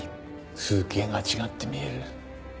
風景が違って見える。